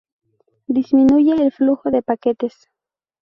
Disminuye el flujo de paquetes.